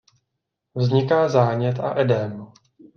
Vzniká zánět a edém.